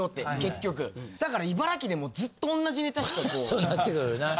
そうなってくるよな。